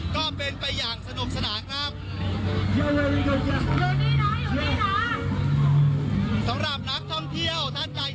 โดยวันนี้จะปิดเวลา๓ทุ่มแล้วก็มีวันพรุ่งนี้เป็นวันสุดท้าย